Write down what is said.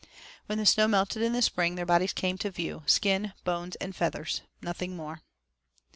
When the snow melted in the spring their bodies came to view, skin, bones, and feathers nothing more.